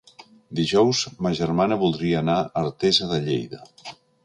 Dijous ma germana voldria anar a Artesa de Lleida.